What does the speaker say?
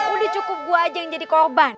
udah cukup gue aja yang jadi korban